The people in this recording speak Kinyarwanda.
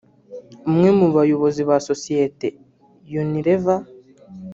umwe mu bayobozi ba Sosiyete Unilever